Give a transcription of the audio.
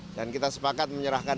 dan kita sepakat menyerahkan